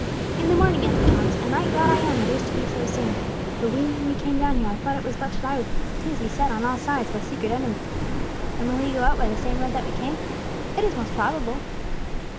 "In the morning," answered Thomas, "and right glad I am that it is to be so soon. For when we came down here, I thought it was but to die with Him. He is beset on all sides by secret enemies." "And will He go out by the same road that we came?" "It is most probable."